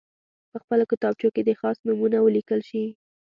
په خپلو کتابچو کې دې خاص نومونه ولیکل شي.